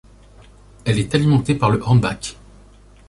Elle est alimentée par le Hornbach.